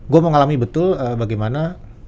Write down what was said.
gue mengalami betul bagaimana